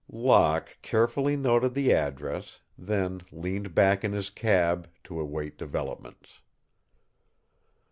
Locke carefully noted the address, then leaned back in his cab to await developments.